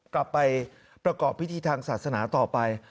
กลับไปประกอบพิธีทางศาสนาต่อไป